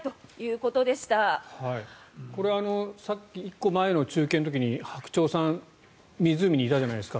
これ、１個前の中継の時にハクチョウさん湖にいたじゃないですか。